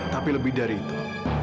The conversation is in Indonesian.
tapi lebih dari itu